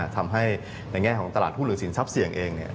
ทำให้ในแง่ของตลาดหุ้นหรือสินทรัพย์เสี่ยงเอง